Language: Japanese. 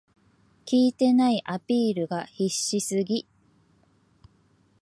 効いてないアピールが必死すぎ